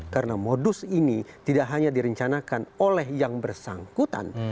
karena modus ini tidak hanya direncanakan oleh yang bersangkutan